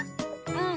うん。